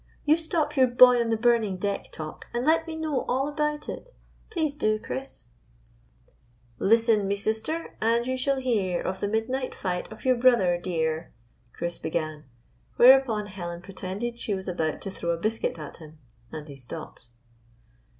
You stop your boy on the burning deck talk, and let me know all about it. Please, do, Chris ?""' Listen, me sister, and you shall hear Of the midnight fight of your brother dear,' " Chris began. Whereupon Helen pretended she was about to throw a biscuit at him and he stopped.